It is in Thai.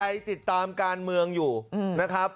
ติดตามการเมืองอยู่นะครับ